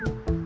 ya udah deh